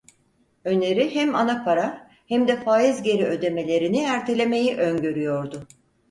Öneri hem anapara hem de faiz geri ödemelerini ertelemeyi öngörüyordu.